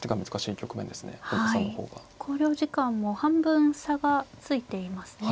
考慮時間も半分差がついていますね。